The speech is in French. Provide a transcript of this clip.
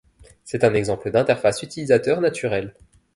C'est un exemple d'interface utilisateur naturelle.